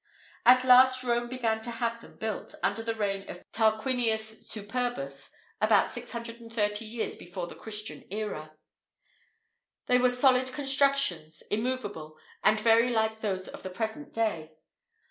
[IV 43] At last, Rome began to have them built, under the reign of Tarquinius Superbus, about 630 years before the Christian era. They were solid constructions, immoveable, and very like those of the present day.